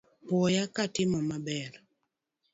Puoya katimo maber